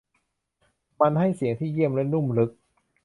มันให้เสียงที่เยี่ยมและนุ่มลึก